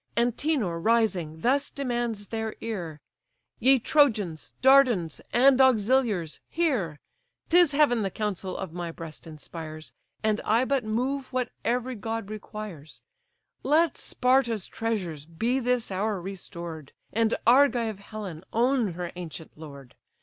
Antenor, rising, thus demands their ear: "Ye Trojans, Dardans, and auxiliars, hear! 'Tis heaven the counsel of my breast inspires, And I but move what every god requires: Let Sparta's treasures be this hour restored, And Argive Helen own her ancient lord.